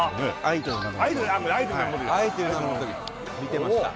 見てました